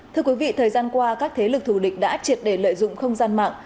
thưa quý vị thời gian qua các thế lực thủ lịch đã triệt để lợi dụng không gian mạng